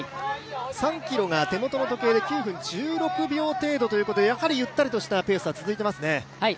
３ｋｍが手元の時計で９分１６秒程度ということで、やはりゆったりしたペースが続いていますね？